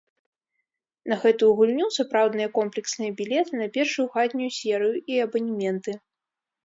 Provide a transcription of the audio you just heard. На гэтую гульню сапраўдныя комплексныя білеты на першую хатнюю серыю і абанементы.